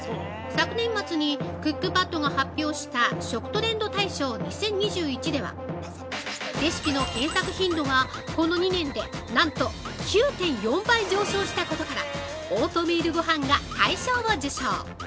昨年末にクックパッドが発表した「食トレンド大賞２０２１」ではレシピの検索頻度がこの２年で、なんと９．４倍上昇したことから「オートミールごはん」が大賞を受賞！